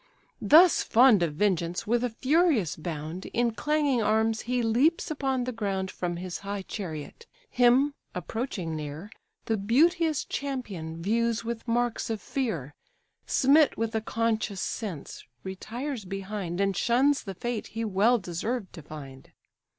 Thus fond of vengeance, with a furious bound, In clanging arms he leaps upon the ground From his high chariot: him, approaching near, The beauteous champion views with marks of fear, Smit with a conscious sense, retires behind, And shuns the fate he well deserved to find.